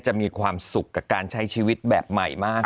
จะมีความสุขกับการใช้ชีวิตแบบใหม่มาก